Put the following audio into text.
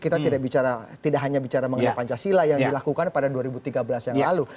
kita tidak bicara tidak hanya bicara mengenai pancasila yang dilakukan pada dua ribu tiga belas yang lalu